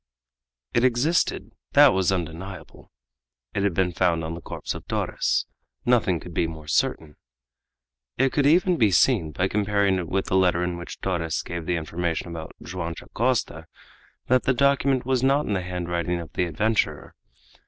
It existed, that was undeniable; it had been found on the corpse of Torres, nothing could be more certain. It could even be seen, by comparing it with the letter in which Torres gave the information about Joam Dacosta, that the document was not in the handwriting of the adventurer.